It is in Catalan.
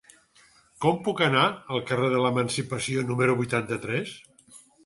Com puc anar al carrer de l'Emancipació número vuitanta-tres?